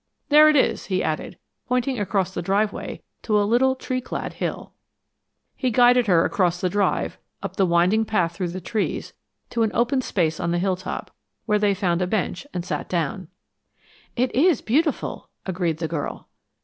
There it is," he added, pointing across the driveway to a little tree clad hill. He guided her across the drive, up the winding path through the trees, to an open space on the hilltop, where they found a bench and sat down. "It is beautiful," agreed the girl.